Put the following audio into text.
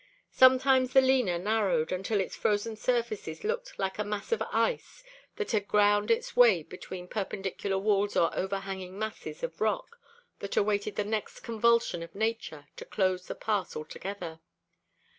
Sometimes the Lena narrowed until its frozen surface looked like a mass of ice that had ground its way between perpendicular walls or overhanging masses of rock that awaited the next convulsion of nature to close the pass altogether.